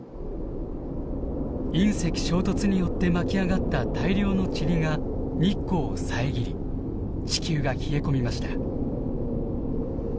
隕石衝突によって巻き上がった大量のチリが日光を遮り地球が冷え込みました。